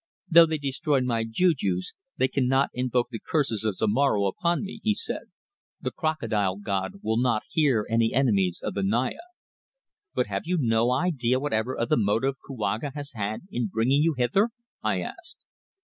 "Though they destroyed my jujus, they cannot invoke the curses of Zomara upon me," he said. "The Crocodile god will not hear any enemies of the Naya." "But have you no idea whatever of the motive Kouaga has had in bringing you hither?" I asked.